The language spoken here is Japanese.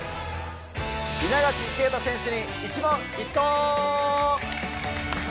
稲垣啓太選手に一問一答！